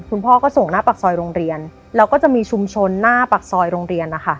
คุณพ่อก็ส่งหน้าปากซอยโรงเรียนแล้วก็จะมีชุมชนหน้าปากซอยโรงเรียนนะคะ